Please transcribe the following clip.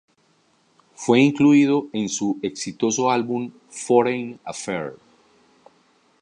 Fue incluido en su exitoso álbum Foreign Affair.